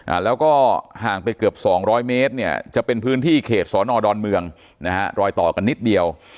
อ่าแล้วก็ห่างไปเกือบสองร้อยเมตรเนี่ยจะเป็นพื้นที่เขตสอนอดอนเมืองนะฮะรอยต่อกันนิดเดียว